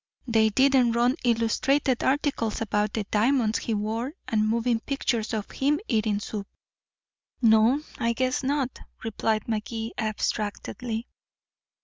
They didn't run illustrated articles about the diamonds he wore, and moving pictures of him eating soup." "No, I guess not," replied Magee abstractedly.